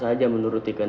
dan tidak terus pulang